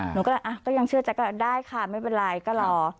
หนูก็ยังเชื่อใจก็ได้ค่ะไม่เป็นไรก็รอ